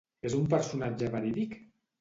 És un personatge verídic?